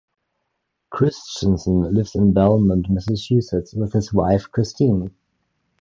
Christensen lives in Belmont, Massachusetts with his wife, Christine.